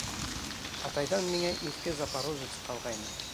Атайҙан миңә иҫке «Запорожец» ҡалғайны.